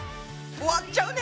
終わっちゃうね！